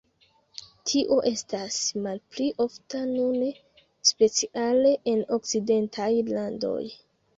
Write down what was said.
Tio estas malpli ofta nune, speciale en okcidentaj landoj.